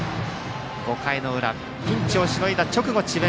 ５回の裏、ピンチをしのいだ直後智弁